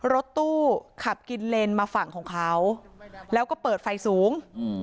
รถตู้ขับกินเลนมาฝั่งของเขาแล้วก็เปิดไฟสูง